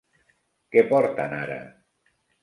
Què porten ara?